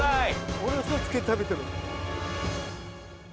俺は塩つけて食べてる。